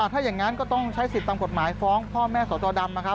ถ้าอย่างนั้นก็ต้องใช้สิทธิ์ตามกฎหมายฟ้องพ่อแม่สจดำนะครับ